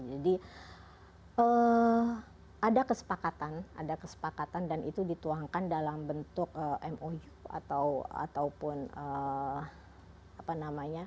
jadi ada kesepakatan ada kesepakatan dan itu dituangkan dalam bentuk mou atau ataupun apa namanya